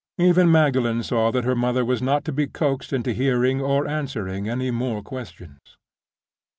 Even Magdalen saw that her mother was not to be coaxed into hearing or answering any more questions.